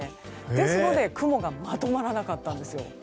ですので、雲がまとまらなかったんです。